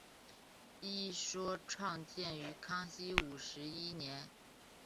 一说创建于康熙五十一年。